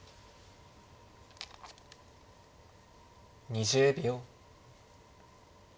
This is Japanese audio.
２０秒。